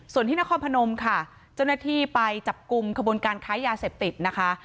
ส่วนที่นครพนมค่ะเจ้าหน้าที่ไปจับกลุ่มขบวนการค้ายาเสพติดนะคะ